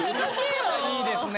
いいですね。